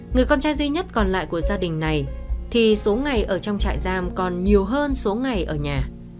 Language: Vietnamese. người con trai duy nhất còn lại của gia đình này thì số ngày ở trong trại giam còn nhiều hơn số ngày ở nhà